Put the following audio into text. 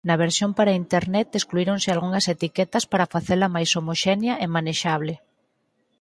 Na versión para a internet excluíronse algunhas etiquetas para facela máis homoxénea e manexable.